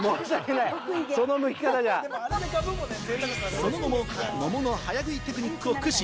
その後も桃の早食いテクニックを駆使。